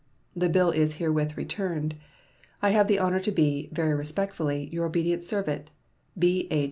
The bill is herewith returned. I have the honor to be, very respectfully, your obedient servant, B.H.